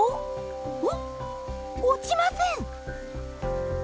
おっ落ちません。